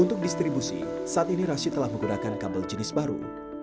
untuk distribusi saat ini rashid telah menggunakan kabel jenis baru